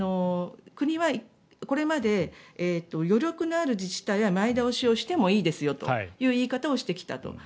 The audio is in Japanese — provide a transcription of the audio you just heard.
国はこれまで余力のある自治体は前倒しをしてもいいですよという言い方をしてきたと。